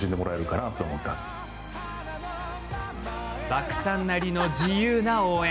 バクさんなりの自由な応援。